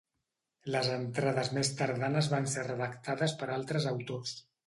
Les entrades més tardanes van ser redactades per altres autors.